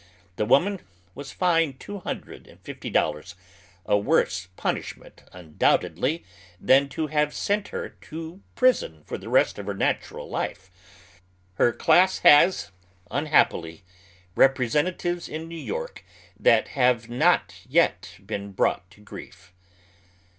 The woman was fined $350, a worse punishment undonbtedly than to have sent her to prison for the rest of her natural life. Her class lias, unhappily, representatives in New York that liave not yet been bi'ought to grief.